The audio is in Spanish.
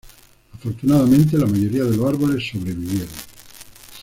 Afortunadamente, la mayoría de los árboles sobrevivieron.